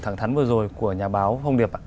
thẳng thắn vừa rồi của nhà báo phong điệp